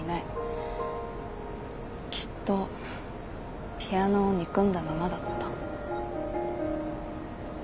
きっとピアノを憎んだままだった。